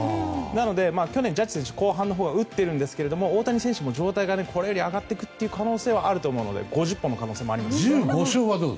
なので、去年のジャッジ選手は後半のほうが打っているんですが大谷選手もこれより上がっていく可能性があると思うので５０本の可能性はあります。